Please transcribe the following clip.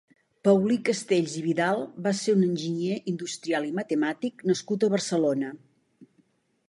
Paulí Castells i Vidal va ser un enginyer industrial i matemàtic nascut a Barcelona.